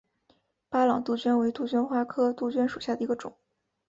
巴朗杜鹃为杜鹃花科杜鹃属下的一个种。